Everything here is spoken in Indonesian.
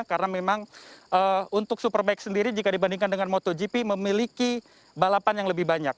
karena memang untuk superbike sendiri jika dibandingkan dengan motogp memiliki balapan yang lebih banyak